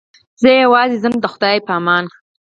زه یوازې ځم د خدای په امان.